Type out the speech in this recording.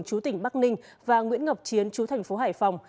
chú tỉnh bắc ninh và nguyễn ngọc chiến chú thành phố hải phòng